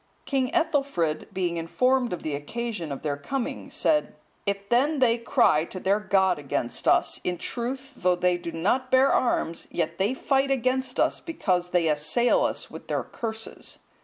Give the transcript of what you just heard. King Ethelfrid being informed of the occasion of their coming, said, "If then they cry to their God against us, in truth, though they do not bear arms, yet they fight against us, because they assail us with their curses."